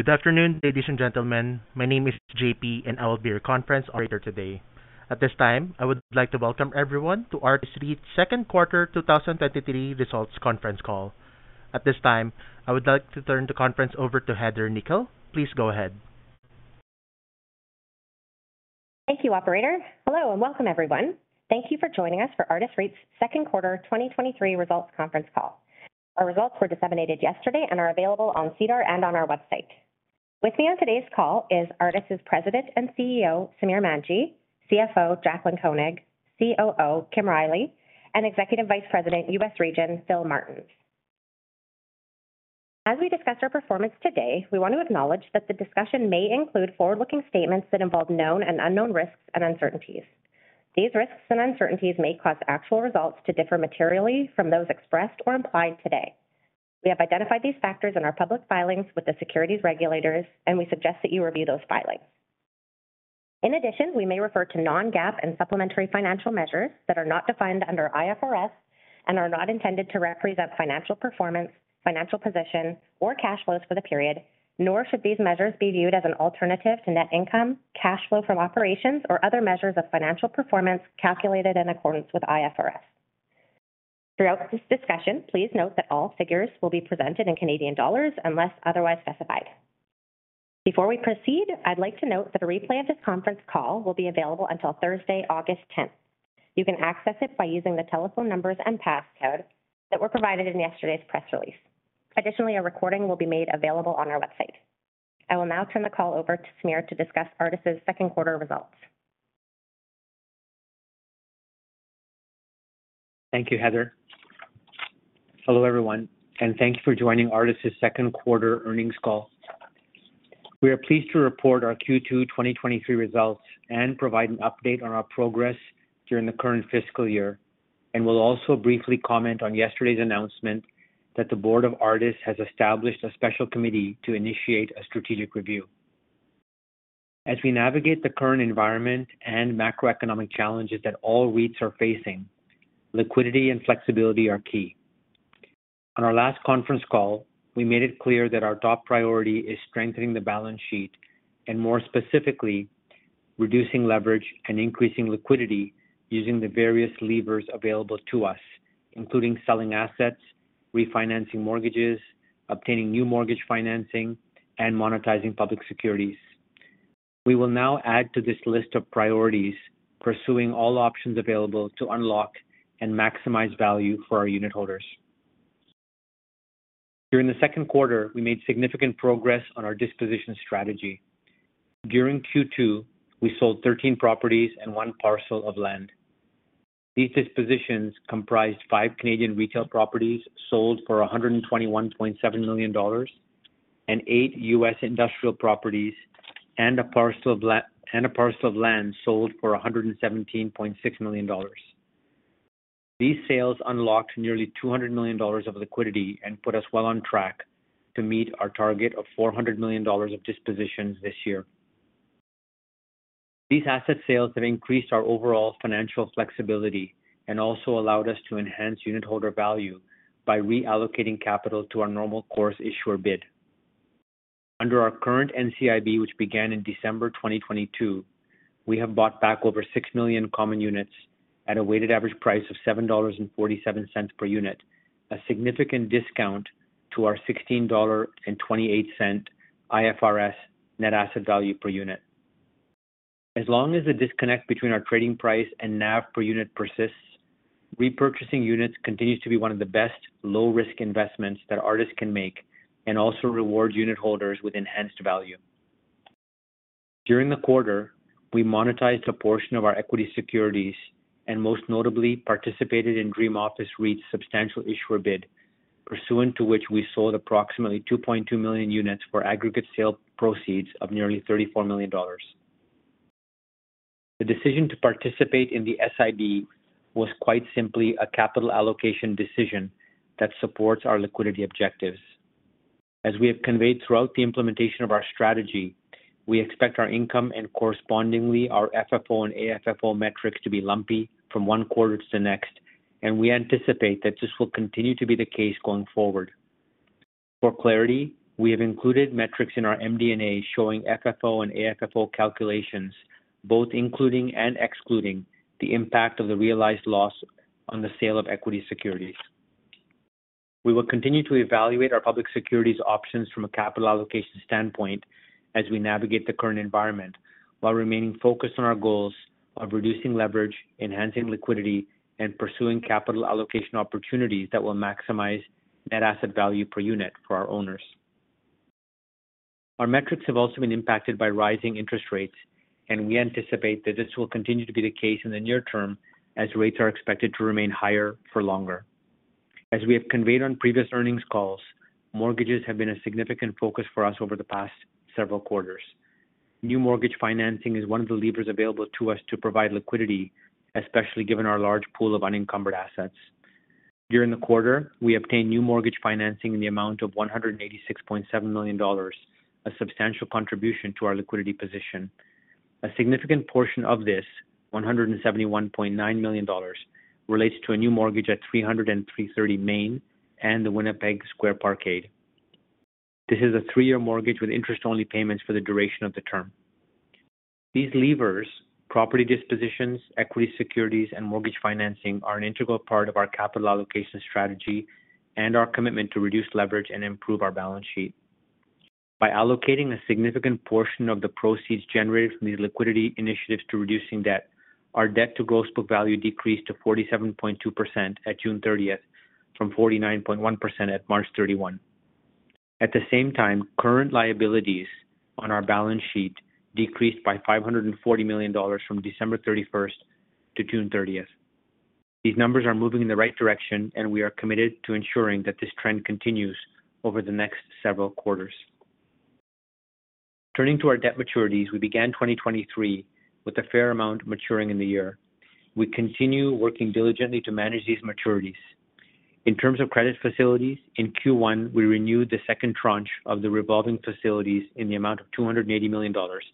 Good afternoon, ladies and gentlemen. My name is J.P., and I will be your conference operator today. At this time, I would like to welcome everyone to Artis REIT's Q2 2023 results conference call. At this time, I would like to turn the conference over to Heather Nikkel. Please go ahead. Thank you, operator. Hello, welcome, everyone. Thank you for joining us for Artis REIT's Q2 2023 results conference call. Our results were disseminated yesterday and are available on SEDAR and on our website. With me on today's call is Artis's President and CEO, Samir Manji, CFO, Jaclyn Koenig, COO, Kim Riley, and Executive Vice President, U.S. Region, Phil Martens. As we discuss our performance today, we want to acknowledge that the discussion may include forward-looking statements that involve known and unknown risks and uncertainties. These risks and uncertainties may cause actual results to differ materially from those expressed or implied today. We have identified these factors in our public filings with the securities regulators. We suggest that you review those filings. In addition, we may refer to non-GAAP and supplementary financial measures that are not defined under IFRS and are not intended to represent financial performance, financial position, or cash flows for the period, nor should these measures be viewed as an alternative to net income, cash flow from operations, or other measures of financial performance calculated in accordance with IFRS. Throughout this discussion, please note that all figures will be presented in Canadian dollars unless otherwise specified. Before we proceed, I'd like to note that a replay of this conference call will be available until Thursday, August tenth. You can access it by using the telephone numbers and passcode that were provided in yesterday's press release. Additionally, a recording will be made available on our website. I will now turn the call over to Samir to discuss Artis's Q2 results. Thank you, Heather. Hello, everyone, thank you for joining Artis's Q2 earnings call. We are pleased to report our Q2 2023 results and provide an update on our progress during the current fiscal year, we'll also briefly comment on yesterday's announcement that the board of Artis has established a special committee to initiate a strategic review. As we navigate the current environment and macroeconomic challenges that all REITs are facing, liquidity and flexibility are key. On our last conference call, we made it clear that our top priority is strengthening the balance sheet and, more specifically, reducing leverage and increasing liquidity using the various levers available to us, including selling assets, refinancing mortgages, obtaining new mortgage financing, and monetizing public securities. We will now add to this list of priorities, pursuing all options available to unlock and maximize value for our unitholders. During the Q2, we made significant progress on our disposition strategy. During Q2, we sold 13 properties and one parcel of land. These dispositions comprised five Canadian retail properties, sold for $121.7 million, and eight U.S. industrial properties, and a parcel of land sold for $117.6 million. These sales unlocked nearly $200 million of liquidity and put us well on track to meet our target of $400 million of dispositions this year. These asset sales have increased our overall financial flexibility and also allowed us to enhance unitholder value by reallocating capital to our Normal Course Issuer Bid. Under our current NCIB, which began in December 2022, we have bought back over 6 million common units at a weighted average price of $7.47 per unit, a significant discount to our $16.28 IFRS net asset value per unit. As long as the disconnect between our trading price and NAV per unit persists, repurchasing units continues to be one of the best low-risk investments that Artis can make and also rewards unitholders with enhanced value. During the quarter, we monetized a portion of our equity securities and, most notably, participated in Dream Office REIT's Substantial Issuer Bid, pursuant to which we sold approximately 2.2 million units for aggregate sale proceeds of nearly $34 million. The decision to participate in the SIB was quite simply a capital allocation decision that supports our liquidity objectives. As we have conveyed throughout the implementation of our strategy, we expect our income and correspondingly our FFO and AFFO metrics to be lumpy from one quarter to the next, and we anticipate that this will continue to be the case going forward. For clarity, we have included metrics in our MD&A showing FFO and AFFO calculations, both including and excluding the impact of the realized loss on the sale of equity securities. We will continue to evaluate our public securities options from a capital allocation standpoint as we navigate the current environment, while remaining focused on our goals of reducing leverage, enhancing liquidity, and pursuing capital allocation opportunities that will maximize net asset value per unit for our owners. Our metrics have also been impacted by rising interest rates, we anticipate that this will continue to be the case in the near term as rates are expected to remain higher for longer. As we have conveyed on previous earnings calls, mortgages have been a significant focus for us over the past several quarters. New mortgage financing is one of the levers available to us to provide liquidity, especially given our large pool of unencumbered assets. During the quarter, we obtained new mortgage financing in the amount of 186.7 million dollars, a substantial contribution to our liquidity position. A significant portion of this, 171.9 million dollars, relates to a new mortgage at 300 and 330 Main and the Winnipeg Square Parkade. This is a three-year mortgage with interest-only payments for the duration of the term. These levers, property dispositions, equity securities, and mortgage financing, are an integral part of our capital allocation strategy and our commitment to reduce leverage and improve our balance sheet. By allocating a significant portion of the proceeds generated from these liquidity initiatives to reducing debt, our debt-to-gross book value decreased to 47.2% at June 30th, from 49.1% at March 31st. At the same time, current liabilities on our balance sheet decreased by 540 million dollars from December 31st to June 30th. These numbers are moving in the right direction, and we are committed to ensuring that this trend continues over the next several quarters. Turning to our debt maturities, we began 2023 with a fair amount maturing in the year. We continue working diligently to manage these maturities. In terms of credit facilities, in Q1, we renewed the second tranche of the revolving facilities in the amount of 280 million dollars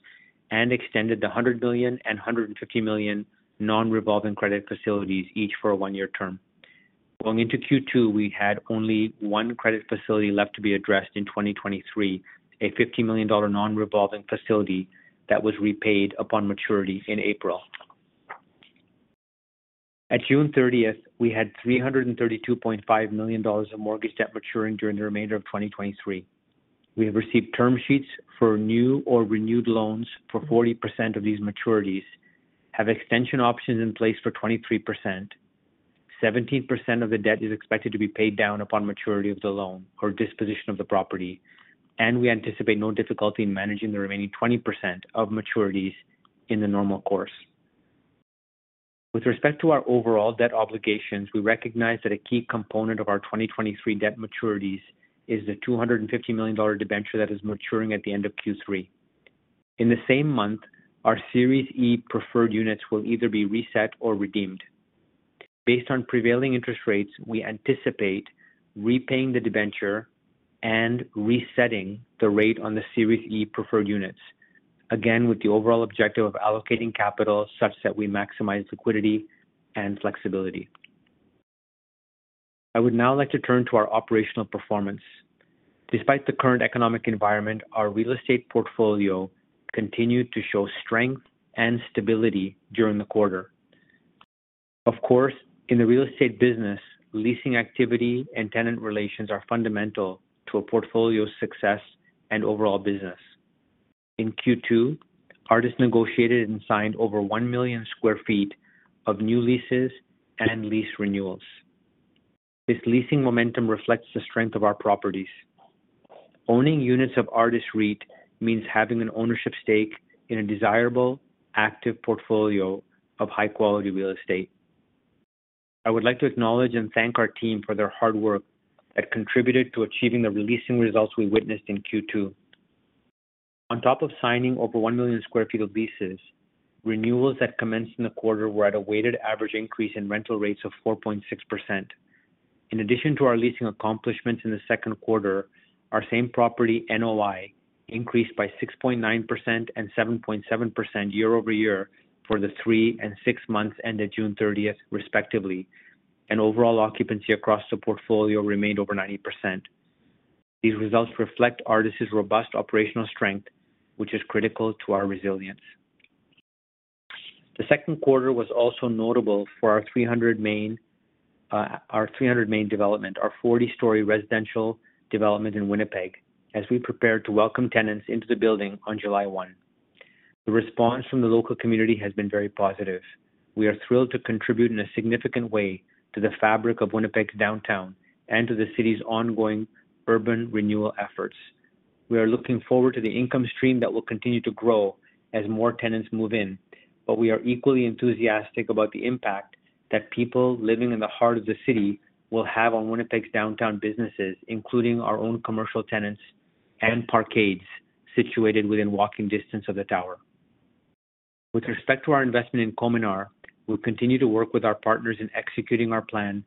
and extended the 100 million and 150 million non-revolving credit facilities, each for a 1-year term. Going into Q2, we had only 1 credit facility left to be addressed in 2023, a 50 million dollar non-revolving facility that was repaid upon maturity in April. At June 30th, we had 332.5 million dollars of mortgage debt maturing during the remainder of 2023. We have received term sheets for new or renewed loans for 40% of these maturities, have extension options in place for 23%. 17% of the debt is expected to be paid down upon maturity of the loan or disposition of the property. We anticipate no difficulty in managing the remaining 20% of maturities in the normal course. With respect to our overall debt obligations, we recognize that a key component of our 2023 debt maturities is the 250 million dollar debenture that is maturing at the end of Q3. In the same month, our Series E Preferred Units will either be reset or redeemed. Based on prevailing interest rates, we anticipate repaying the debenture and resetting the rate on the Series E Preferred Units, again, with the overall objective of allocating capital such that we maximize liquidity and flexibility. I would now like to turn to our operational performance. Despite the current economic environment, our real estate portfolio continued to show strength and stability during the quarter. Of course, in the real estate business, leasing activity and tenant relations are fundamental to a portfolio's success and overall business. In Q2, Artis negotiated and signed over 1 million square feet of new leases and lease renewals. This leasing momentum reflects the strength of our properties. Owning units of Artis REIT means having an ownership stake in a desirable, active portfolio of high-quality real estate. I would like to acknowledge and thank our team for their hard work that contributed to achieving the leasing results we witnessed in Q2. On top of signing over 1 million square feet of leases, renewals that commenced in the quarter were at a weighted average increase in rental rates of 4.6%. In addition to our leasing accomplishments in the Q2, our same property NOI increased by 6.9% and 7.7% year-over-year for the three and six months ended June 30th, respectively, and overall occupancy across the portfolio remained over 90%. These results reflect Artis's robust operational strength, which is critical to our resilience. The Q2 was also notable for our 300 Main, our 300 Main development, our 40-story residential development in Winnipeg, as we prepare to welcome tenants into the building on July 1. The response from the local community has been very positive. We are thrilled to contribute in a significant way to the fabric of Winnipeg's downtown and to the city's ongoing urban renewal efforts. We are looking forward to the income stream that will continue to grow as more tenants move in, but we are equally enthusiastic about the impact that people living in the heart of the city will have on Winnipeg's downtown businesses, including our own commercial tenants and parkades situated within walking distance of the tower. With respect to our investment in Cominar, we'll continue to work with our partners in executing our plan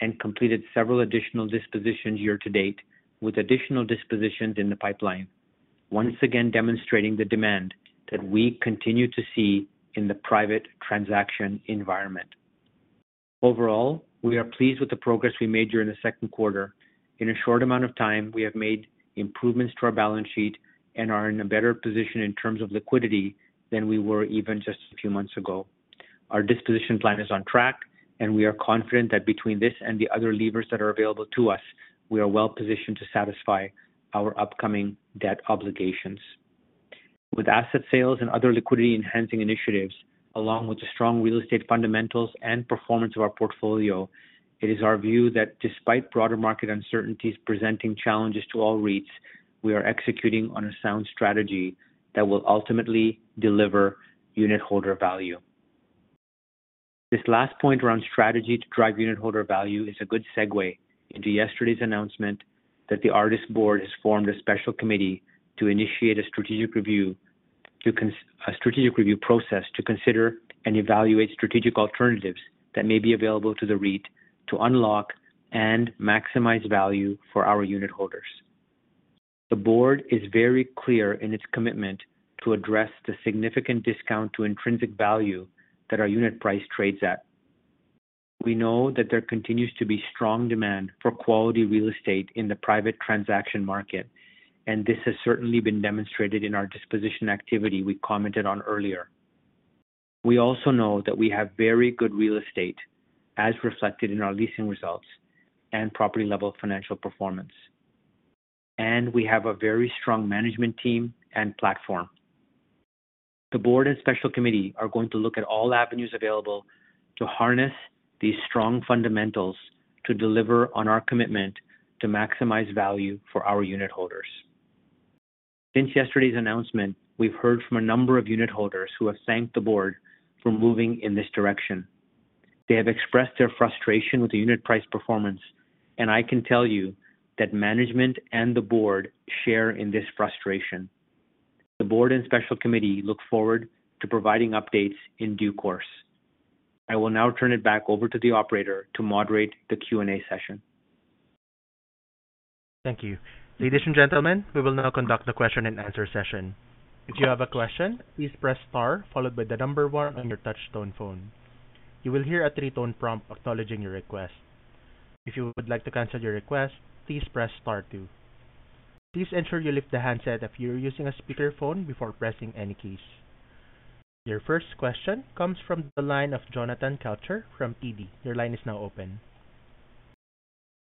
and completed several additional dispositions year to date, with additional dispositions in the pipeline, once again, demonstrating the demand that we continue to see in the private transaction environment. Overall, we are pleased with the progress we made during the Q2. In a short amount of time, we have made improvements to our balance sheet and are in a better position in terms of liquidity than we were even just a few months ago. Our disposition plan is on track. We are confident that between this and the other levers that are available to us, we are well positioned to satisfy our upcoming debt obligations. With asset sales and other liquidity-enhancing initiatives, along with the strong real estate fundamentals and performance of our portfolio, it is our view that despite broader market uncertainties presenting challenges to all REITs, we are executing on a sound strategy that will ultimately deliver unitholder value. This last point around strategy to drive unitholder value is a good segue into yesterday's announcement that the Artis board has formed a special committee to initiate a strategic review process to consider and evaluate strategic alternatives that may be available to the REIT to unlock and maximize value for our unitholders. The board is very clear in its commitment to address the significant discount to intrinsic value that our unit price trades at. We know that there continues to be strong demand for quality real estate in the private transaction market, and this has certainly been demonstrated in our disposition activity we commented on earlier. We also know that we have very good real estate, as reflected in our leasing results and property-level financial performance, and we have a very strong management team and platform. The board and special committee are going to look at all avenues available to harness these strong fundamentals to deliver on our commitment to maximize value for our unit holders. Since yesterday's announcement, we've heard from a number of unit holders who have thanked the board for moving in this direction. They have expressed their frustration with the unit price performance. I can tell you that management and the board share in this frustration. The board and special committee look forward to providing updates in due course. I will now turn it back over to the operator to moderate the Q&A session. Thank you. Ladies and gentlemen, we will now conduct the question and answer session. If you have a question, please press star followed by the number 1 on your touchtone phone. You will hear a 3-tone prompt acknowledging your request. If you would like to cancel your request, please press star 2. Please ensure you lift the handset if you're using a speakerphone before pressing any keys. Your first question comes from the line of Jonathan Kelcher from TD. Your line is now open.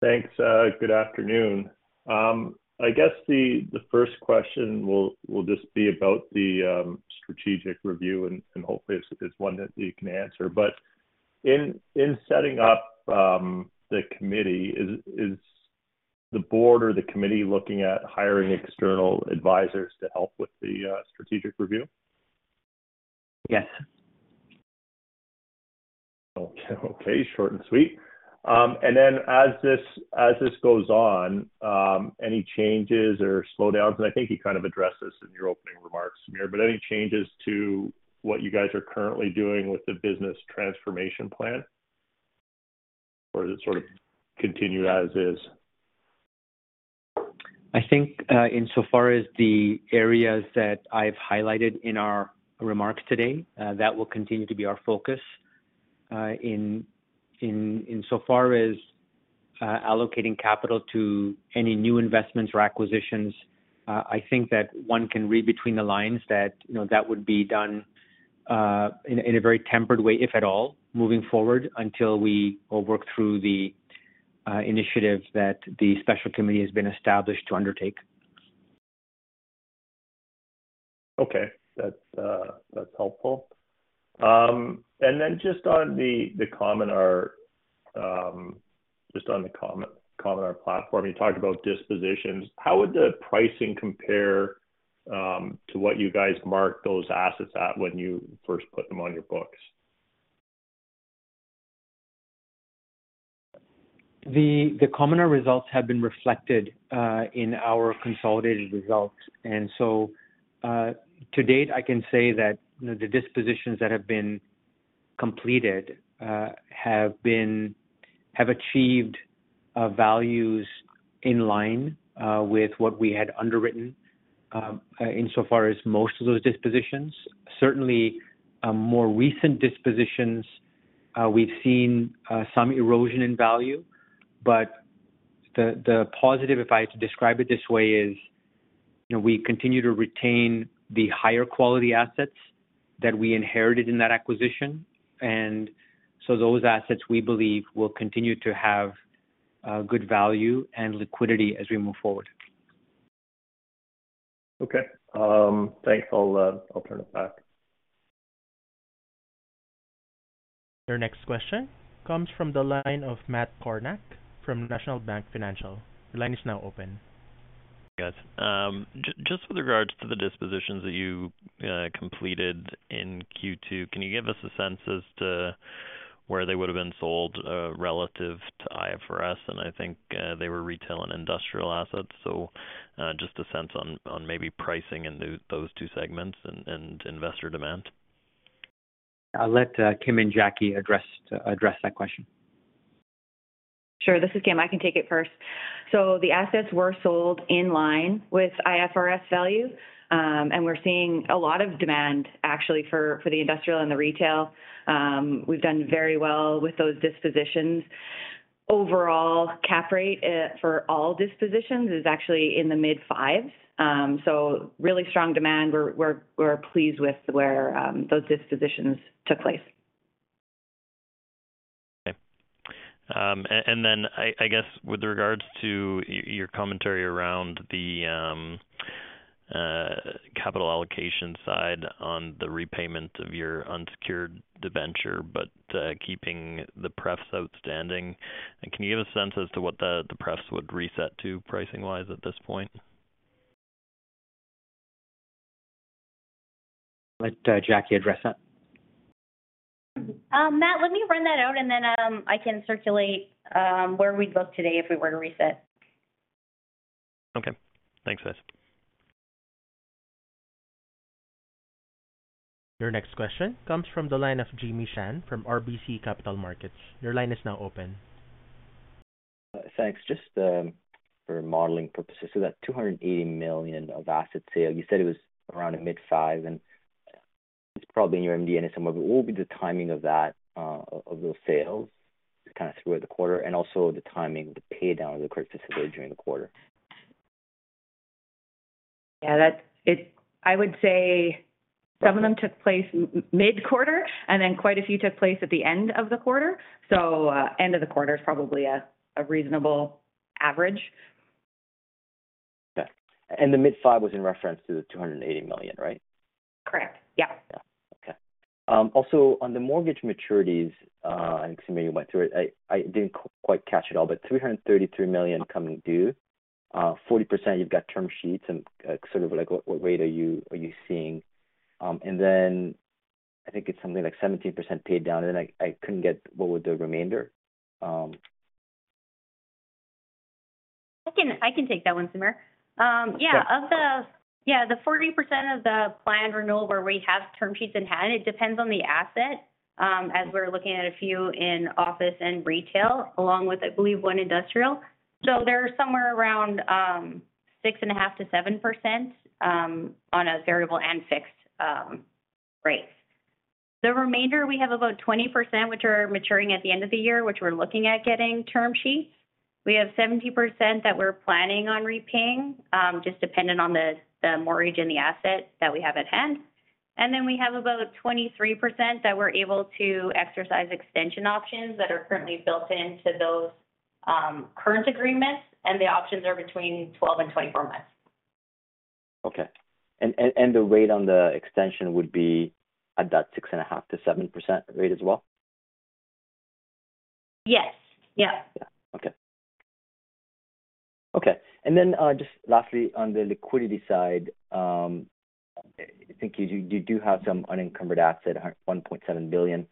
Thanks. Good afternoon. I guess the first question will just be about the strategic review, and hopefully it's one that you can answer. In setting up the committee, is the board or the committee looking at hiring external advisors to help with the strategic review? Yes. Okay, short and sweet. Then, as this, as this goes on, any changes or slowdowns, and I think you kind of addressed this in your opening remarks, Samir, but any changes to what you guys are currently doing with the business transformation plan, or does it sort of continue as is? I think, insofar as the areas that I've highlighted in our remarks today, that will continue to be our focus. Insofar as allocating capital to any new investments or acquisitions, I think that one can read between the lines that, you know, that would be done in a very tempered way, if at all, moving forward until we all work through the initiatives that the special committee has been established to undertake. Okay. That's, that's helpful. Then just on the Cominar, just on the Cominar platform, you talked about dispositions. How would the pricing compare to what you guys marked those assets at when you first put them on your books? The Cominar results have been reflected in our consolidated results. So, to date, I can say that, you know, the dispositions that have been completed, have achieved values in line with what we had underwritten, insofar as most of those dispositions. Certainly, more recent dispositions, we've seen some erosion in value. The positive, if I had to describe it this way, is, you know, we continue to retain the higher quality assets that we inherited in that acquisition. Those assets, we believe, will continue to have good value and liquidity as we move forward. Okay. Thanks. I'll turn it back. Your next question comes from the line of Matt Kornack from National Bank Financial. Your line is now open. Thanks, guys. Just with regards to the dispositions that you completed in Q2, can you give us a sense as to where they would have been sold relative to IFRS? I think they were retail and industrial assets. Just a sense on, on maybe pricing in those two segments and, and investor demand. I'll let Kim and Jackie address, address that question. Sure. This is Kim. I can take it first. The assets were sold in line with IFRS value, and we're seeing a lot of demand, actually, for, for the industrial and the retail. We've done very well with those dispositions. Overall, cap rate for all dispositions is actually in the mid-fives. Really strong demand. We're, we're, we're pleased with where those dispositions took place. Okay. Then, I, I guess with regards to your commentary around the capital allocation side on the repayment of your unsecured debenture, but keeping the pref outstanding, and can you give a sense as to what the, the pref would reset to pricing-wise at this point? Let Jackie address that. Matt, let me run that out, and then I can circulate where we'd look today if we were to reset. Okay. Thanks, guys. Your next question comes from the line of Jimmy Shan from RBC Capital Markets. Your line is now open. Thanks. Just for modeling purposes, that 280 million of asset sale, you said it was around the mid-5, and it's probably in your MD&A somewhere. What will be the timing of that, of those sales throughout the quarter, and also the timing of the paydown of the credit facility during the quarter? Yeah, that's- it-- I would say some of them took place m-m-mid-quarter, and then quite a few took place at the end of the quarter. End of the quarter is probably a, a reasonable average. Okay. The mid five was in reference to the 280 million, right? Correct. Yeah. Yeah. Okay. On the mortgage maturities, Samir, you went through it, I didn't quite catch it all. $333 million coming due, 40%, you've got term sheets and, sort of like, what, what rate are you, are you seeing? I think it's something like 17% paid down, and I couldn't get what was the remainder? I can, I can take that one, Samir. Yeah, of the- Yeah. Yeah, the 40% of the planned renewal where we have term sheets in hand, it depends on the asset. As we're looking at a few in office and retail, along with, I believe, one industrial. They're somewhere around 6.5%-7% on a variable and fixed rate. The remainder, we have about 20%, which are maturing at the end of the year, which we're looking at getting term sheets. We have 70% that we're planning on repaying, just depending on the mortgage and the asset that we have at hand. Then we have about 23% that we're able to exercise extension options that are currently built into those current agreements, and the options are between 12 and 24 months. Okay. and, and the rate on the extension would be at that 6.5%-7% rate as well? Yes. Yeah. Yeah. Okay. Okay. Then, just lastly, on the liquidity side, I think you, you do have some unencumbered asset, 1.7 billion.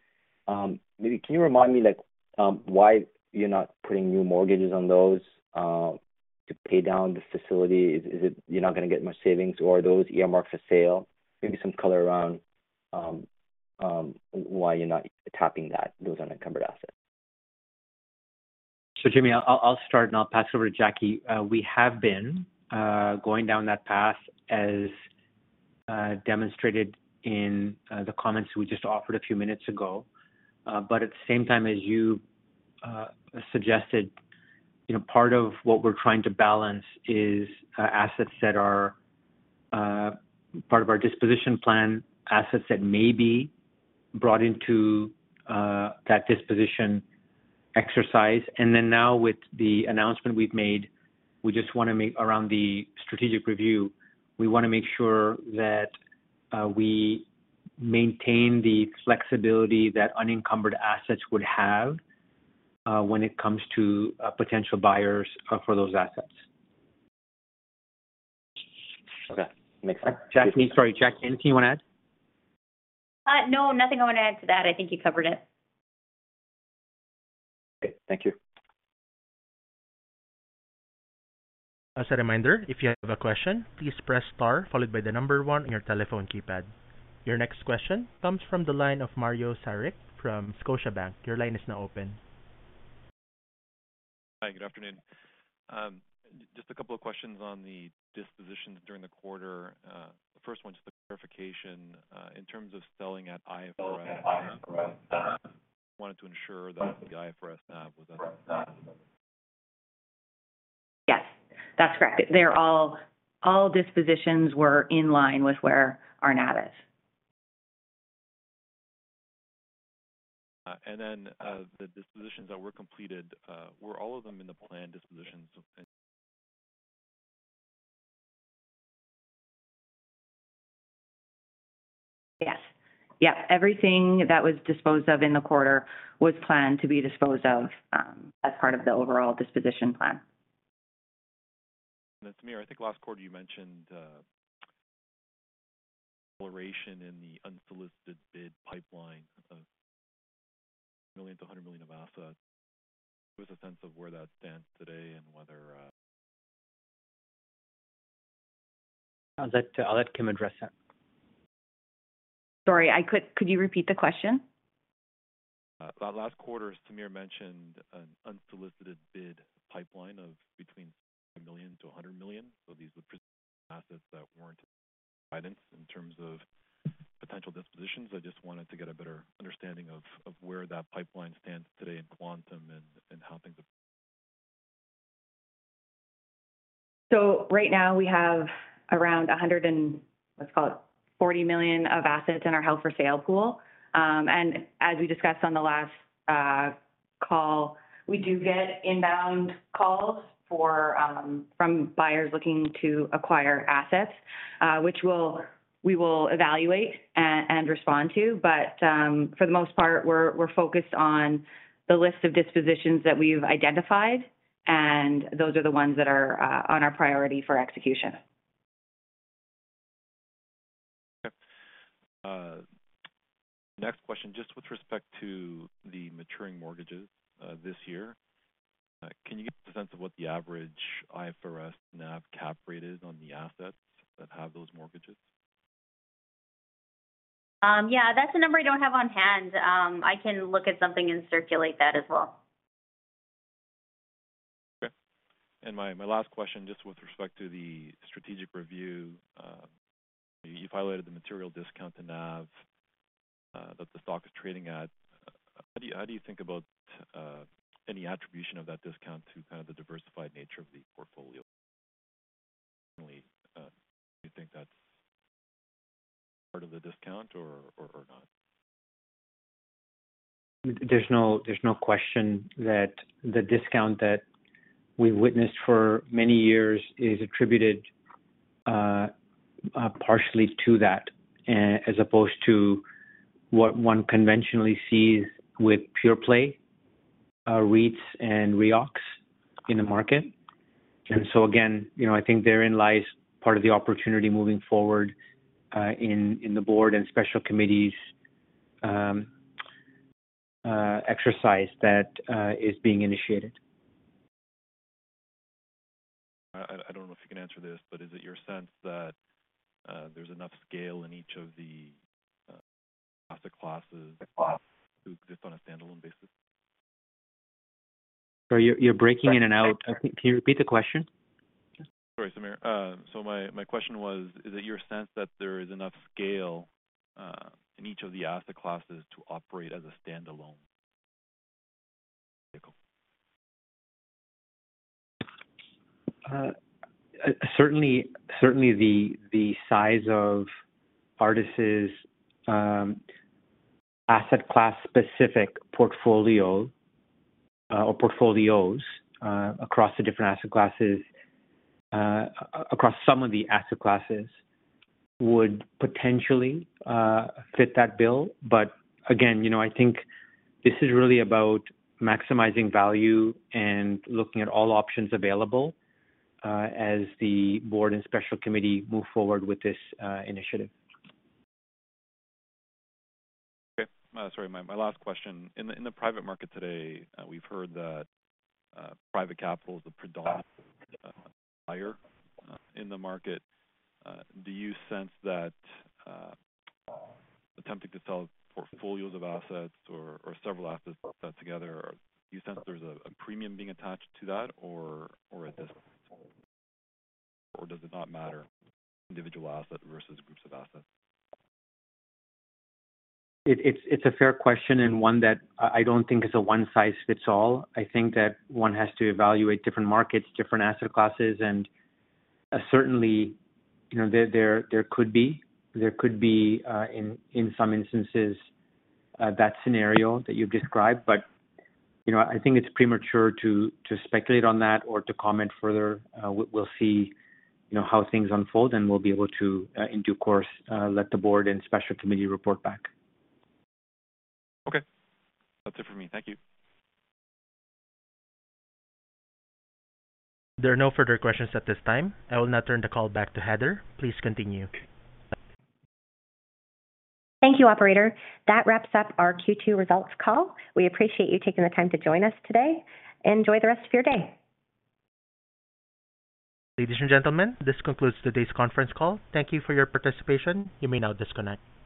Maybe can you remind me, like, why you're not putting new mortgages on those, to pay down the credit facility? Is it you're not gonna get much savings, or are those earmarked for sale? Maybe some color around why you're not tapping that, those unencumbered assets. Jimmy, I'll, I'll start, and I'll pass over to Jackie. We have been going down that path, as demonstrated in the comments we just offered a few minutes ago. At the same time as you suggested, you know, part of what we're trying to balance is assets that are part of our disposition plan, assets that may be brought into that disposition exercise. Then now with the announcement we've made around the strategic review, we wanna make sure that we maintain the flexibility that unencumbered assets would have, when it comes to potential buyers for those assets. Okay. Makes sense. Jackie, sorry, Jackie, anything you wanna add? No, nothing I wanna add to that. I think you covered it. Okay, thank you. As a reminder, if you have a question, please press Star followed by the 1 on your telephone keypad. Your next question comes from the line of Mario Saric from Scotiabank. Your line is now open. Hi, good afternoon. Just a couple of questions on the dispositions during the quarter. The first one, just a clarification, in terms of selling at IFRS. Wanted to ensure that the IFRS NAV was at... Yes, that's correct. They're all dispositions were in line with where our NAV is. Then, the dispositions that were completed, were all of them in the planned dispositions of...? Yes. Yes, everything that was disposed of in the quarter was planned to be disposed of, as part of the overall disposition plan. Samir, I think last quarter you mentioned exploration in the unsolicited bid pipeline of $ million-$100 million of assets. There was a sense of where that stands today and whether. I'll let, I'll let Kim address that. Sorry, I could you repeat the question? Last quarter, Samir mentioned an unsolicited bid pipeline of between million to 100 million. These were assets that weren't guidance in terms of potential dispositions. I just wanted to get a better understanding of where that pipeline stands today in quantum and how things are... Right now we have around 140 million of assets in our held-for-sale pool. As we discussed on the last call, we do get inbound calls for from buyers looking to acquire assets, which we will evaluate and respond to. For the most part, we're focused on the list of dispositions that we've identified, and those are the ones that are on our priority for execution. Okay. Next question, just with respect to the maturing mortgages, this year, can you give us a sense of what the average IFRS NAV cap rate is on the assets that have those mortgages? Yeah, that's a number I don't have on hand. I can look at something and circulate that as well. Okay. My, my last question, just with respect to the strategic review, you highlighted the material discount to NAV that the stock is trading at. How do you, how do you think about any attribution of that discount to kind of the diversified nature of the portfolio? Do you think that's part of the discount or, or, or not? There's no, there's no question that the discount that we've witnessed for many years is attributed, partially to that, as opposed to what one conventionally sees with pure play, REITs and REOCs in the market. Again, you know, I think therein lies part of the opportunity moving forward, in, in the board and special committees, exercise that, is being initiated. I don't know if you can answer this, but is it your sense that there's enough scale in each of the asset classes to exist on a standalone basis? Sorry, you're breaking in and out. Can you repeat the question? Sorry, Samir. My question was, is it your sense that there is enough scale in each of the asset classes to operate as a standalone vehicle? Certainly, certainly the, the size of Artis', asset class-specific portfolio, or portfolios, across the different asset classes, across some of the asset classes would potentially, fit that bill. Again, you know, I think this is really about maximizing value and looking at all options available, as the board and special committee move forward with this, initiative. Okay. Sorry, my, my last question. In the, in the private market today, we've heard that private capital is the predominant buyer in the market. Do you sense that attempting to sell portfolios of assets or, or several assets put together, do you sense there's a, a premium being attached to that, or, or at this point, or does it not matter, individual asset versus groups of assets? It, it's, it's a fair question, and one that I, I don't think is a one size fits all. I think that one has to evaluate different markets, different asset classes, and certainly, you know, there, there, there could be. There could be, in, in some instances, that scenario that you've described. You know, I think it's premature to, to speculate on that or to comment further. We'll see, you know, how things unfold, and we'll be able to, in due course, let the board and special committee report back. Okay. That's it for me. Thank you. There are no further questions at this time. I will now turn the call back to Heather. Please continue. Thank you, operator. That wraps up our Q2 results call. We appreciate you taking the time to join us today. Enjoy the rest of your day. Ladies and gentlemen, this concludes today's conference call. Thank you for your participation. You may now disconnect.